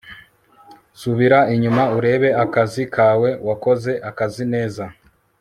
subira inyuma urebe akazi kawe, wakoze akazi neza